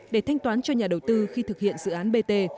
để thanh toán cho nhà đầu tư khi thực hiện dự án bt